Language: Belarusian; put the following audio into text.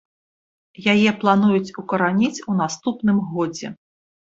Яе плануюць укараніць у наступным годзе.